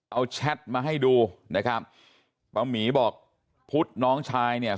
เอาแชทมาให้ดูนะครับป้าหมีบอกพุทธน้องชายเนี่ย